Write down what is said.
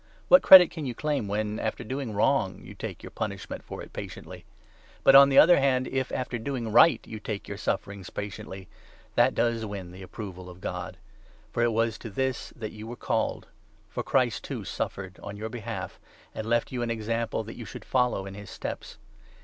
What credit can you claim when, after doing 20 wrong, you take your punishment for it patiently ? But, on the other hand, if, after doing right, you take your sufferings patiently, that does win the approval of God. For it was to 21 this that you were called ! For Christ, too, suffered — on your behalf— and left you an example, that you should follow in his steps.